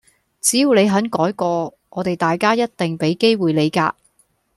只要你肯改過，我哋大家一定畀機會你㗎